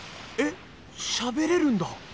しゃべれるんだ。